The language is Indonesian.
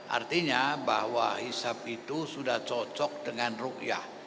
artinya bahwa hisab itu sudah cocok dengan ruqyah